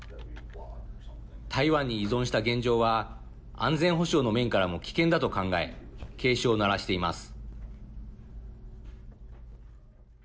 台湾に依存した現状は安全保障の面からも危険だと考え警鐘を鳴らしています。